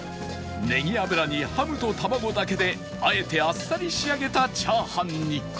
ネギ油にハムと卵だけであえてあっさり仕上げたチャーハンに